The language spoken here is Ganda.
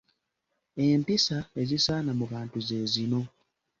Empisa ezisaana mu bantu ze zino.